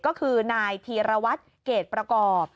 ก็คือนายธีรวัตรเกรดประกอบ